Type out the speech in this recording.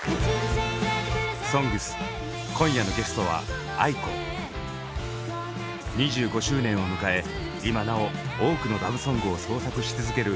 「ＳＯＮＧＳ」今夜のゲストは２５周年を迎え今なお多くのラブソングを創作し続ける